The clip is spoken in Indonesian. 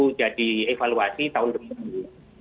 yang sudah dievaluasi tahun tersebut